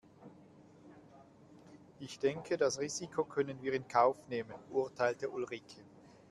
Ich denke das Risiko können wir in Kauf nehmen, urteilte Ulrike.